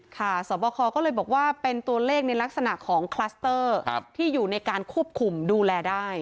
สอบคอก็เลยบอกว่าเป็นตัวเลขในลักษณะของคลัสเตอร์ที่อยู่ในการควบคุมดูแลได้